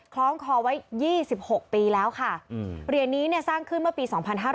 คล้องคอไว้๒๖ปีแล้วค่ะเหรียญนี้เนี่ยสร้างขึ้นเมื่อปี๒๕๕๙